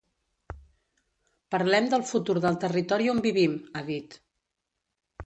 “Parlem del futur del territori on vivim”, ha dit.